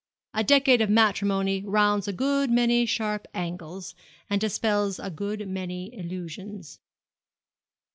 A decade of matrimony rounds a good many sharp angles, and dispels a good many illusions.'